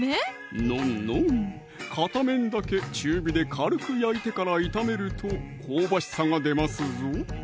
ノンノン片面だけ中火で軽く焼いてから炒めると香ばしさが出ますぞ